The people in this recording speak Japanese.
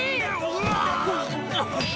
「うわ！」